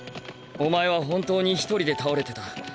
お前は本当に一人で倒れてた。